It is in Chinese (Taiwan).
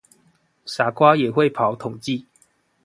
傻瓜也會跑統計